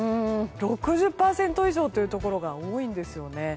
６０％以上というところが多いんですよね。